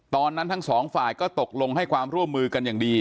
ทั้งสองฝ่ายก็ตกลงให้ความร่วมมือกันอย่างดี